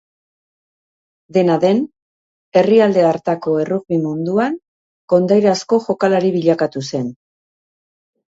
Dena den, herrialde hartako errugbi munduan kondairazko jokalari bilakatu zen.